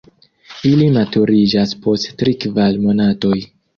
Ili maturiĝas post tri-kvar monatoj.